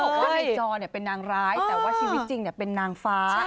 เขาบอกว่าในจอเนี่ยเป็นนางร้ายแต่ว่าชีวิตจริงเนี่ยเป็นนางฟ้า